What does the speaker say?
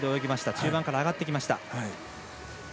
中盤から上がってきました。